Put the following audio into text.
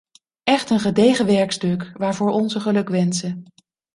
Echt een gedegen werkstuk, waarvoor onze gelukwensen.